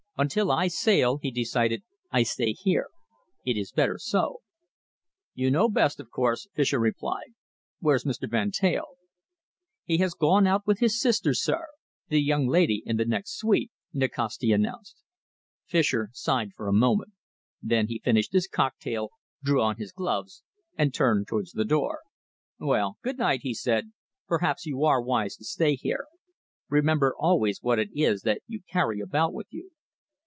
"Until I sail," he decided, "I stay here. It is better so." "You know best, of course," Fischer replied. "Where's Mr. Van Teyl?" "He has gone out with his sister, sir the young lady in the next suite," Nikasti announced. Fischer sighed for a moment. Then he finished his cocktail, drew on his gloves, and turned towards the door. "Well, good night," he said. "Perhaps you are wise to stay here. Remember always what it is that you carry about with you."